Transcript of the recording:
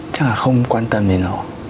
chắc là không quan tâm về nó